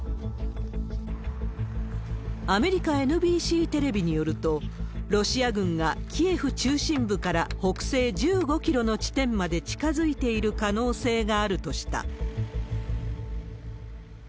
アメリカＮＢＣテレビによると、ロシア軍がキエフ中心部から北西１５キロの地点まで近づいている可能性があるとした。